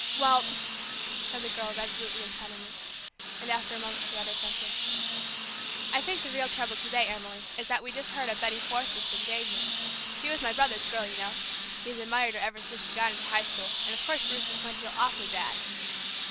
"Well!" the girl said resolutely and suddenly. And after a moment she added frankly, "I think the real trouble to day, Emily, is that we just heard of Betty Forsythe's engagement she was my brother's girl, you know; he's admired her ever since she got into High School, and of course Bruce is going to feel awfully bad."